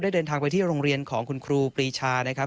ได้เดินทางไปที่โรงเรียนของคุณครูปีชา